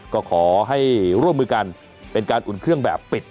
ก็ขอให้ร่วมมือกันเป็นการอุ่นเครื่องแบบปิด